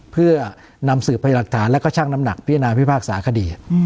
เพื่อนำสืบพยานหลักฐานแล้วก็ช่างน้ำหนักพิจารณาพิพากษาคดี